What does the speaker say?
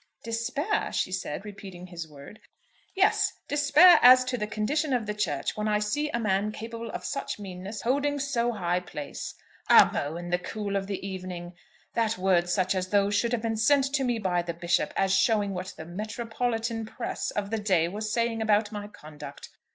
"Despair!" she said, repeating his word. "Yes; despair as to the condition of the Church when I see a man capable of such meanness holding so high place. '"Amo" in the cool of the evening!' That words such as those should have been sent to me by the Bishop, as showing what the 'metropolitan press' of the day was saying about my conduct!